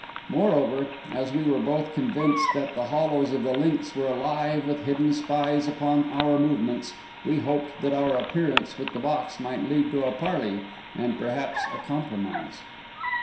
Moreover, as we were both convinced that the hollows of the links were alive with hidden spies upon our movements, we hoped that our appearance with the box might lead to a parley, and, perhaps, a compromise.